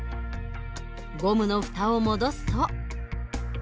ゴムの蓋を戻すと。